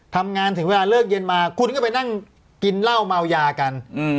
ทำงานถึงเวลาเลิกเย็นมาคุณก็ไปนั่งกินเหล้าเมายากัน